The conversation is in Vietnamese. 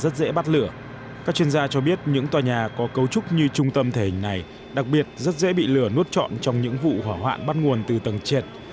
các chuyên gia cho biết những tòa nhà có cấu trúc như trung tâm thể hình này đặc biệt rất dễ bị lửa nuốt trọn trong những vụ hỏa hoạn bắt nguồn từ tầng trệt